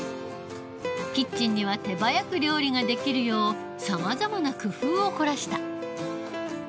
キッチンには手早く料理ができるようさまざまな工夫を凝らした。